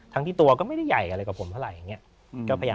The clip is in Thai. ที่ตัวก็ไม่ได้ใหญ่อะไรกับผมเท่าไหร่อย่างนี้